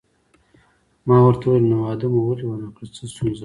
ما ورته وویل: نو واده مو ولې ونه کړ، څه ستونزه وه؟